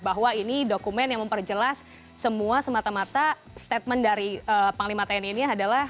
bahwa ini dokumen yang memperjelas semua semata mata statement dari panglima tni ini adalah